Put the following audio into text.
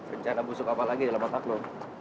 rencana busuk apa lagi dalam hati lo